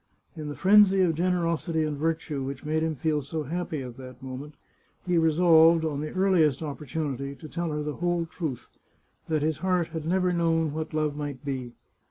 In the frenzy of generosity and virtue which made him feel so happy at that moment, he resolved, on the earliest opportunity, to tell her the whole truth — that his heart had never known what love might be.